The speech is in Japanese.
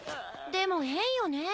でも変よね。